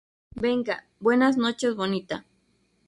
venga, buenas noches, bonita.